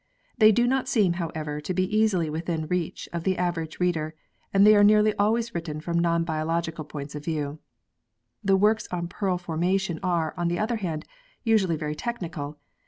They do not seem, however, to be easily within reach of the average reader, and they are nearly always written from non biological points of view. The works on pearl formation are, on the other hand, usually very technical.